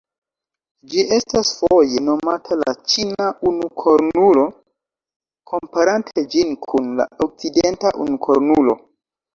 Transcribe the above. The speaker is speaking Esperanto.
Ĝi estas foje nomata la "ĉina unukornulo", komparante ĝin kun la okcidenta unukornulo.